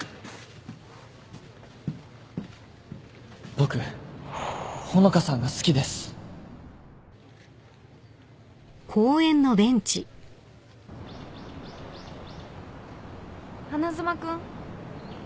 僕穂香さんが好きです・花妻君。